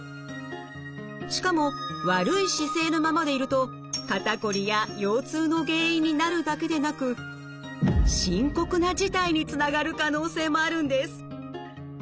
しかも悪い姿勢のままでいると肩こりや腰痛の原因になるだけでなく深刻な事態につながる可能性もあるんです。